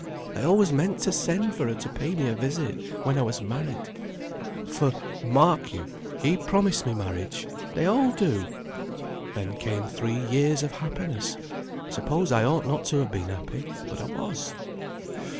I always meant to send for her to pay me a visit when I was married; for, mark you! he promised me marriage. They all do. Then came three years of happiness. I suppose I ought not to have been happy, but I was.